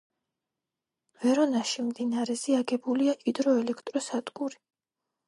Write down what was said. ვერონაში მდინარეზე აგებულია ჰიდროელექტროსადგური.